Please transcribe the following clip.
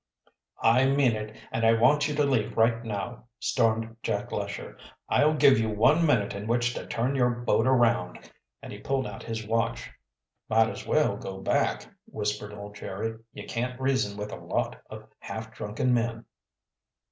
"I mean it, and I want you to leave right now," stormed Jack Lesher. "I'll give you one minute in which to turn your boat around," and he pulled out his watch. "Might as well go back," whispered old Jerry. "You can't reason with a lot of half drunken men."